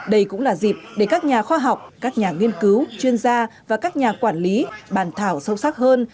đây cũng là dịp để các nhà khoa học các nhà nghiên cứu chuyên gia và các nhà quản lý bàn thảo sâu sắc hơn